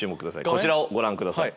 こちらをご覧ください。